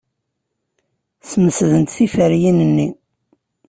Smesdent tiferyin-nni.